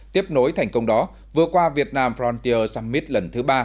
tiếp nối thành công đó vừa qua việt nam frontiaer summit lần thứ ba